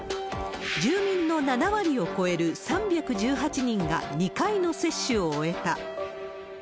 住民の７割を超える３１８人が２回の接種を終えた。